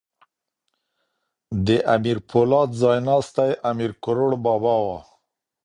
د امیر پولاد ځای ناستی امیر کروړ بابا وو.